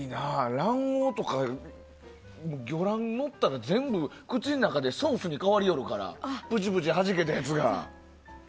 卵黄とか魚卵ものったら全部口の中でソースに変わりよるからプチプチはじけたやつが。